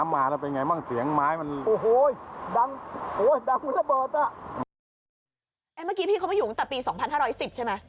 เมื่อกี้พี่เขามาอยู่ตั้งแต่ปี๒๕๑๐ใช่ไหม